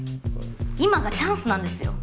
今がチャンスなんですよ。